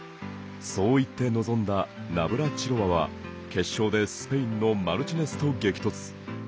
そう言って臨んだナブラチロワは決勝でスペインのマルチネスと激突。